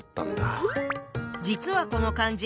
実はこの漢字